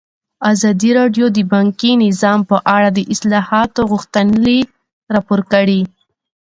ازادي راډیو د بانکي نظام په اړه د اصلاحاتو غوښتنې راپور کړې.